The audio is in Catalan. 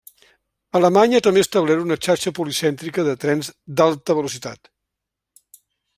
Alemanya també ha establert una xarxa policèntrica de trens d'alta velocitat.